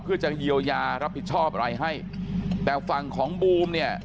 เพื่อจะเยียวยารับผิดชอบอะไรให้แต่ฝั่งของบูมเนี่ย